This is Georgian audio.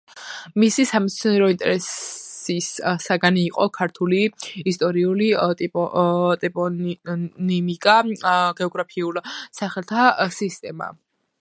მისი სამეცნიერო ინტერესის საგანი იყო ქართული ისტორიული ტოპონიმიკა, გეოგრაფიულ სახელთა სისტემა.